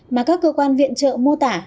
mà các cơ quan viện trợ mô tả